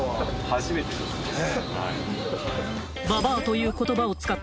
初めてですね。